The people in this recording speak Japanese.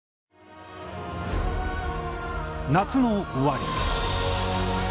夏の終わり。